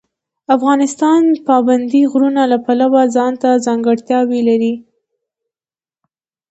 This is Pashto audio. افغانستان د پابندي غرونو له پلوه ځانته ځانګړتیاوې لري.